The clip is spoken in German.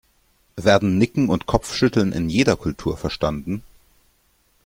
Werden Nicken und Kopfschütteln in jeder Kultur verstanden?